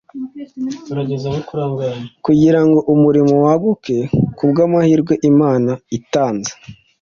kugira ngo umurimo waguke kubw’amahirwe Imana itanze.